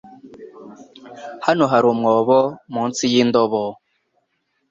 Hano hari umwobo munsi yindobo.